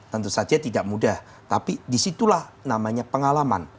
tentu saja tidak mudah tapi disitulah namanya pengalaman